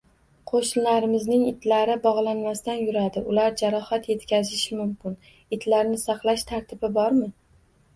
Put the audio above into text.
Qo’shnilarimizning itlari bog’lanmasdan yuradi, ular jarohat etkazishi mumkin. Itlarni saqlash tartibi bormi?